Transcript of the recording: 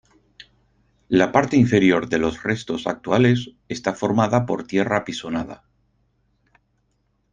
La parte inferior de los restos actuales está formada por tierra apisonada.